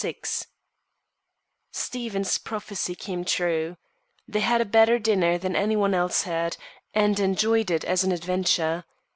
VI Stephen's prophecy came true. They had a better dinner than any one else had, and enjoyed it as an adventure.